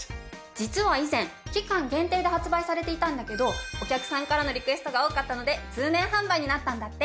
実は以前期間限定で発売されていたんだけどお客さんからのリクエストが多かったので通年販売になったんだって。